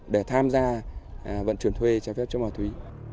để tham gia vận chuyển thuê trái phép chất ma túy